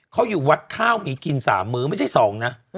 เขาอยู่วัดข้าวมีกิน๓มื้อไม่ใช่๒นะ